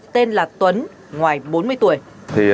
tên là tuấn ngoài bốn mươi tuổi